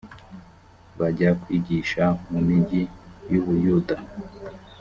bajya kwigisha mu migi y u buyuda